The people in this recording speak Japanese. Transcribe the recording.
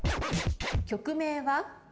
曲名は？